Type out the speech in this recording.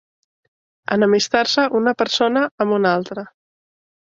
Enemistar-se una persona amb una altra.